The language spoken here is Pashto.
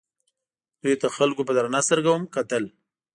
دوی ته خلکو په درنه سترګه هم کتل.